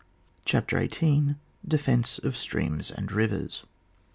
CHAPTER XVIIL DEFENCE OF STREAMS AND RIVERS.